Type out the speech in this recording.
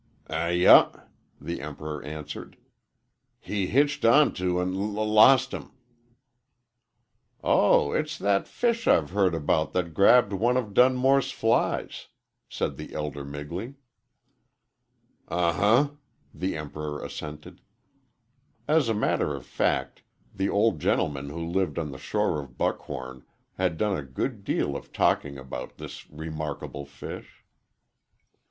"Ay uh," the Emperor answered. "He hitched onto an' l lost him." "Oh, it's that fish I've heard about that grabbed off one of Dunmore's flies," said the elder Migley. "Uh huh," the Emperor assented. As a matter of fact, the old gentleman who lived on the shore of Buckhorn had done a good deal of talking about this remarkable fish.